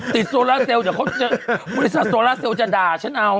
โซลาเซลเดี๋ยวบริษัทโซล่าเซลจะด่าฉันเอา